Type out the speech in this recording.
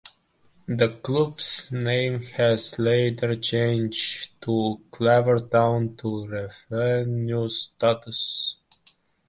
The club's name was later changed to Clevedon Town to reflect their new status.